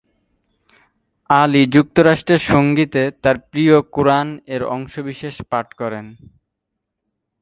আলী যুক্তরাষ্ট্রের সঙ্গীতে তার প্রিয় কুরআন এর অংশবিশেষ পাঠ করেন।